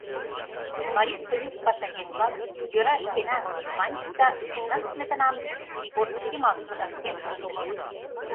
Марисоюз пашаеҥ-влак «йӧра ыштена» маньыч да мемнан сметынам портыш йымак пызырыктен пыштышт.